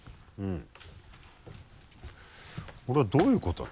これはどういうことだ？